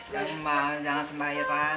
ya mak jangan sembahirannya bu